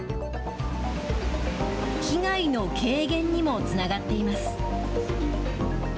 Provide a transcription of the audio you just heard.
被害の軽減にもつながっています。